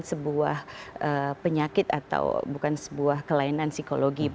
sebuah penyakit atau bukan sebuah kelainan psikologi